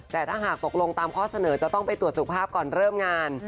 แต่ถ้าหากตกลงตามข้อเสนอจะต้องไปตรวจสุขภาพก่อนเริ่มงาน